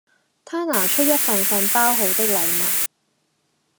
他拿出一份份包好的禮物